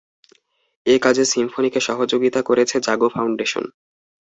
এ কাজে সিম্ফনিকে সহযোগিতা করেছে জাগো ফাউন্ডেশন।